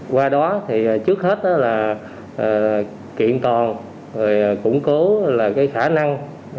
qua đó trước hết kiện toàn củng cố khả năng